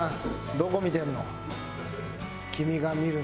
どこ見てるの？